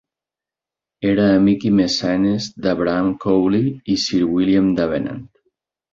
Era amic i mecenes d'Abraham Cowley i Sir William Davenant.